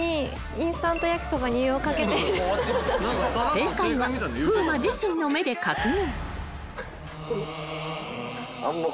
［正解は風磨自身の目で確認］